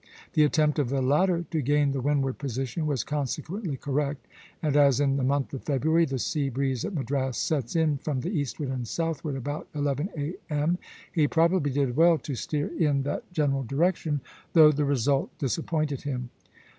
The attempt of the latter to gain the windward position was consequently correct; and as in the month of February the sea breeze at Madras sets in from the eastward and southward about eleven A.M., he probably did well to steer in that general direction, though the result disappointed him.